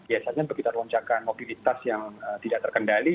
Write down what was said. biasanya begitu lonjakan mobilitas yang tidak terkendali